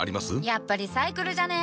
やっぱリサイクルじゃね？